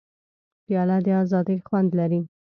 پیاله د ازادۍ خوند لري.